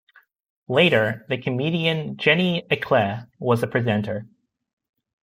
Later, the comedian Jenny Eclair was the presenter.